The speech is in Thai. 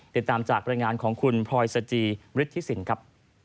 ติดตามจากรายงานของคุณพรอยซาจีบิฐทิศิณครับ